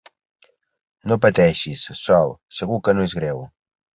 No pateixis, Sol, segur que no és greu.